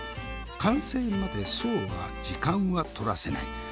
完成までそうは時間は取らせない。